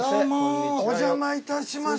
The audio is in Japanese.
お邪魔いたします。